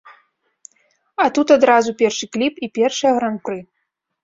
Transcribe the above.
А тут адразу першы кліп і першае гран-пры.